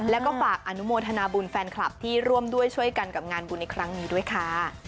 แล้วก็ฝากอนุโมทนาบุญแฟนคลับที่ร่วมด้วยช่วยกันกับงานบุญในครั้งนี้ด้วยค่ะ